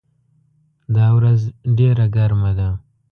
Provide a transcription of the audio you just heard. دا ورځ ډېره ګرمه ده.